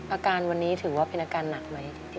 อาการวันนี้ถือว่าเป็นอาการหนักไหม